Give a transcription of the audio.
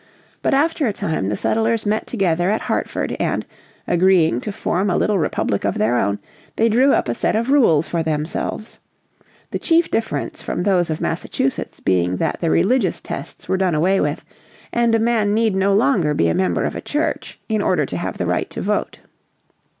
But after a time the settlers met together at Hartford and, agreeing to form a little republic of their own, they drew up a set of rules for themselves; the chief difference from those of Massachusetts being that the religious tests were done away with, and a man need no longer be a member of a church in order to have the right to vote.